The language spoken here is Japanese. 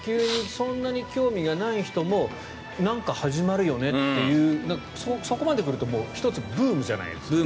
そんなに興味がない人も何か始まるよねというそこまで来ると１つブームじゃないですか。